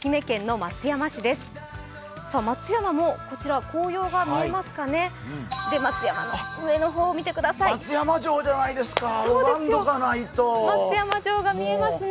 松山もこちら紅葉が見えますかね。